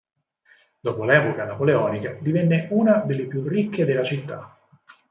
Dopo l'epoca napoleonica, divenne una delle più ricche della città.